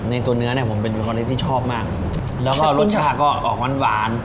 ตัวเนื้อเนี่ยผมเป็นคอเล็กที่ชอบมากแล้วก็รสชาติก็ออกหวานหวาน